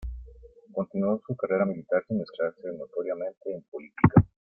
Continuó su carrera militar sin mezclarse notoriamente en política.